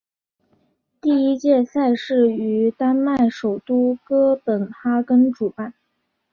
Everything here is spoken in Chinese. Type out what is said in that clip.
第一届赛事于丹麦首都哥本哈根主办。